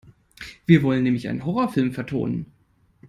Wir wollen nämlich einen Horrorfilm vertonen.